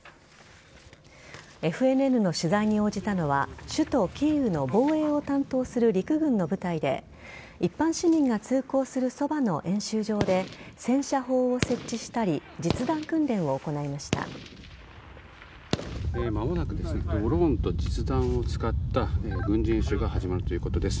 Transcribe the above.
ＦＮＮの取材に応じたのは首都・キーウの防衛を担当する陸軍の部隊で一般市民が通行するそばの演習場で戦車砲を設置したり間もなくドローンと実弾を使った軍事演習が始まるということです。